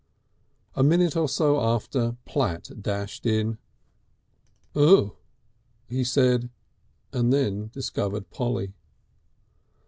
A minute or so after Platt dashed in. "Ugh!" he said, and then discovered Polly.